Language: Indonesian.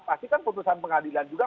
pasti kan putusan pengadilan juga